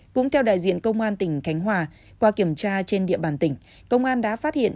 cũng theo đại diện công an tỉnh khánh hòa qua kiểm tra trên địa bàn tỉnh công an đã phát hiện